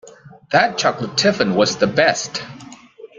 That chocolate tiffin was the best!